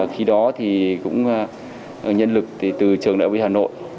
khi đó thì cũng nhân lực từ trường đại học hà nội